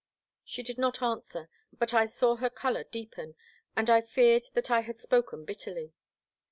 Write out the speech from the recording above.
She did not answer, but I saw her colour deepen, and I feared that I had spoken bitterly.